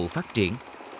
để phát triển